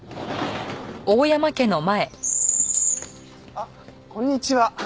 あっこんにちは。